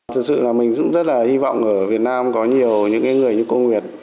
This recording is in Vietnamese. thật sự là mình cũng rất là hy vọng ở việt nam có nhiều những người như cô việt